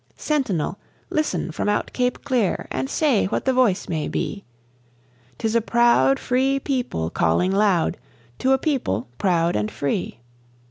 Sentinel, listen from out Cape Clear And say what the voice may be. 'Tis a proud free people calling loud to a people proud and free.